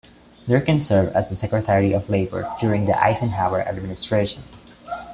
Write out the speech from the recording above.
Durkin served as the Secretary of Labor during the Eisenhower administration.